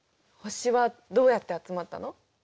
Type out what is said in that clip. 星はどうやって集まったの？